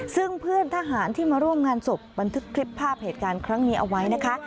ซึ่งเพื่อนทหารที่มาร่วมงานศพบันทึกคลิปภาพเหตุการณ์ครั้งนี้เอาไว้นะคะ